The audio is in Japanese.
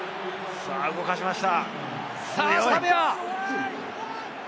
動かしました。